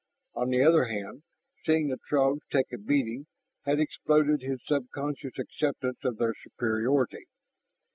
On the other hand, seeing the Throgs take a beating had exploded his subconscious acceptance of their superiority.